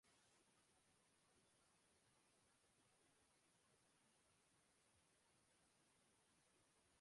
Senegal adoptó una nueva constitución que consolidó el poder del Presidente.